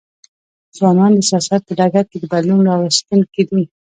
ځوانان د سیاست په ډګر کي د بدلون راوستونکي دي.